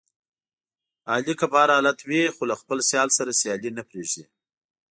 علي که په هر حالت وي، خو له سیال سره سیالي نه پرېږدي.